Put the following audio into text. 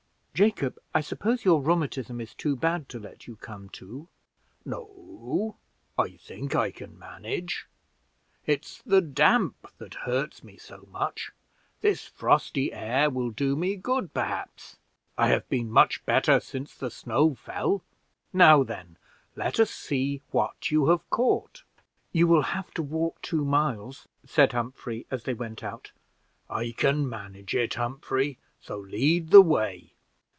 Jacob, I suppose your rheumatism is too bad to let you come too?" "No; I think I can manage. It's the damp that hurts me so much. This frosty air will do me good, perhaps. I have been much better since the snow fell. Now, then, let us see what you have caught." "You will have to walk two miles," said Humphrey, as they went out. "I can manage it, Humphrey, so lead the way."